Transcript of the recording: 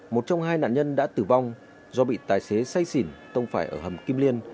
một trong hai nạn nhân đã tử vong do bị tài xế say xỉn tông phải ở hầm kim liên